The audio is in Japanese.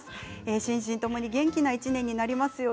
心身ともに元気な１年になりますように。